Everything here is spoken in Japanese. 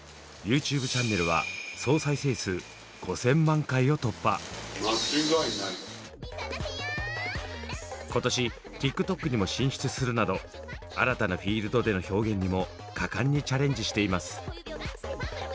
ＹｏｕＴｕｂｅチャンネルは今年ＴｉｋＴｏｋにも進出するなど新たなフィールドでの表現にも果敢にチャレンジしています。